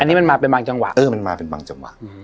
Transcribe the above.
อันนี้มันมาเป็นบางจังหวะเออมันมาเป็นบางจังหวะ